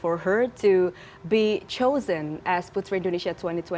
untuk dia untuk diambil sebagai putri indonesia dua ribu dua puluh dua